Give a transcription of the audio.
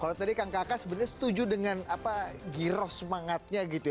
kalau tadi kang kakak sebenarnya setuju dengan apa giroh semangatnya gitu